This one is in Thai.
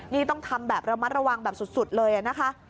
นี่ต้องทำแบบระมัดระวังแบบสุดเลยนะคะ